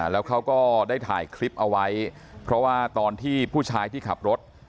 แล้วเขาก็ได้ถ่ายคลิปเอาไว้เพราะว่าตอนที่ผู้ชายที่ขับรถ